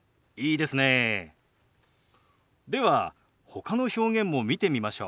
ではほかの表現も見てみましょう。